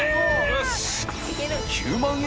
よし。